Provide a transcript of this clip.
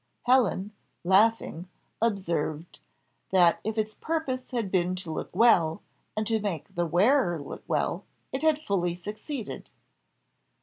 Helen, laughing, observed, that if its purpose had been to look well, and to make the wearer look well, it had fully succeeded.